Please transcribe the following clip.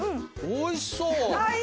おいしそう！